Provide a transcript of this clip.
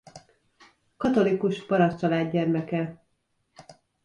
Katolikus parasztcsalád gyermeke.